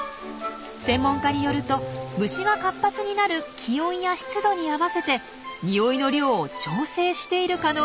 専門家によると虫が活発になる気温や湿度に合わせて匂いの量を調整している可能性も考えられるんです。